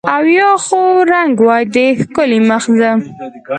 او یا خو رنګ وای د ښکلي مخ زه